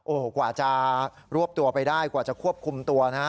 โอ้โหกว่าจะรวบตัวไปได้กว่าจะควบคุมตัวนะฮะ